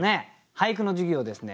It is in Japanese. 俳句の授業をですね